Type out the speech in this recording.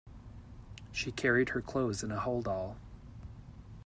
She carried her clothes in a holdall